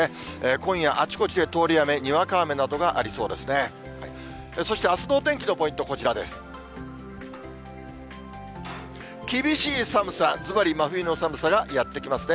今夜、あちこちで通り雨、にわか雨などがありそうですね。